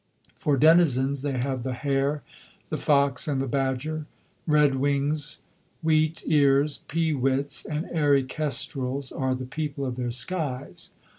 For denizens they have the hare, the fox, and the badger. Redwings, wheatears, peewits, and airy kestrels are the people of their skies.